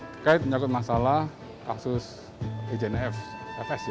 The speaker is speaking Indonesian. terkait mencakup masalah kasus ejnfs